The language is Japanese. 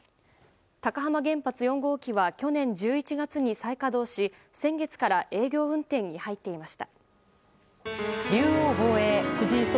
高浜原発４号機は去年１１月に再稼働し先月から営業運転に入っていました。